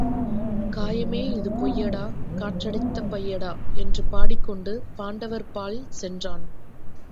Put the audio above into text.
காயமே இது பொய்யடா காற்றடைத்த பையடா என்றுபாடிக் கொண்டு பாண்டவர் பால் சென்றான்.